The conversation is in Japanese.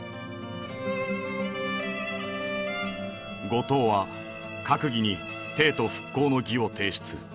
後藤は閣議に「帝都復興の議」を提出。